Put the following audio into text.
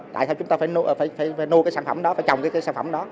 tại sao chúng ta phải mua cái sản phẩm đó phải trồng cái sản phẩm đó